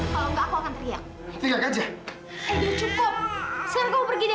kalau tidak aku akan teriak